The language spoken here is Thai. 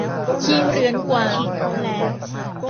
ขี้เรื้อนกวาง